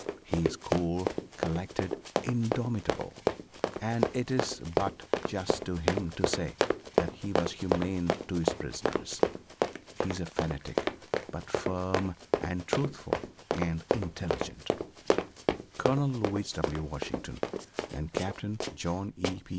He is cool, collected, indomitable; and it is but just to him to say that he was humane to his prisoners. He is a fanatic, but firm, and truthful and intelligent." Colonel Lewis W. Washington and Captain John E. P.